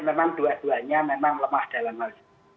memang dua duanya memang lemah dalam hal ini